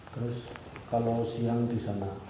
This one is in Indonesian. terus kalau siang di sana